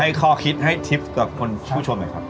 ให้คอคิดให้ทริปกับผู้ชมเลยครับ